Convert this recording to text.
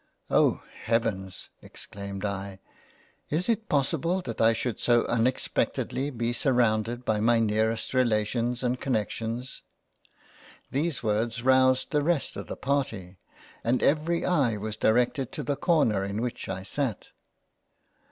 " Oh I Heavens, (exclaimed I) is it possible that I should so unexpectedly be surrounded by my nearest Relations and Connections "? These words roused the rest of the Party, and every eye was directed to the corner in which I sat.